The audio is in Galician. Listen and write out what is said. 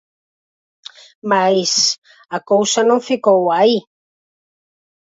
Mais a cousa non ficou aí.